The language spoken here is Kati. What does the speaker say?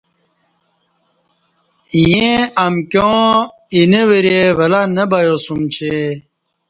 ییں امکیاں ایںہ ورے ولہ نہ بیاسُوم چہ